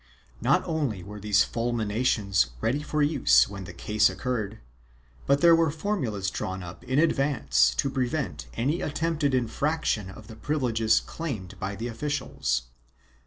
Not only were these fulminations ready for use when the case occurred, but there were formulas drawn up in advance to pre vent any attempted infraction of the privileges claimed by the officials.